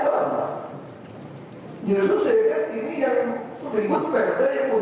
kan ada inti inti lain